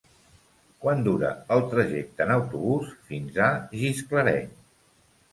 Quant dura el trajecte en autobús fins a Gisclareny?